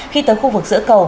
khi tới khu vực giữa cầu